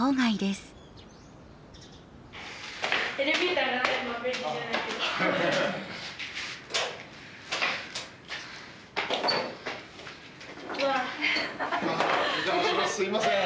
すいません。